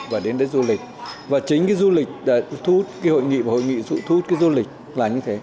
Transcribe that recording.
và đến đây du lịch và chính cái du lịch thu hút cái hội nghị và hội nghị thu hút cái du lịch là như thế